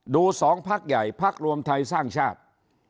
ดูสองภาคใหญ่ภาครวมไทยสร้างชาติ